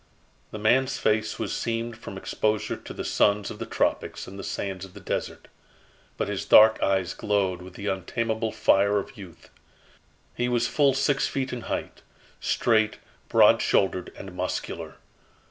The man's face was seamed from exposure to the suns of the tropics and the sands of the desert. But his dark eyes glowed with the untamable fire of youth. He was full six feet in height, straight, broad shouldered, and muscular.